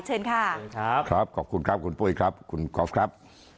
เชิญค่ะขอบคุณครับคุณปุ๊ยครับคุณครอฟครับ